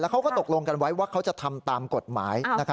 เขาก็ตกลงกันไว้ว่าเขาจะทำตามกฎหมาย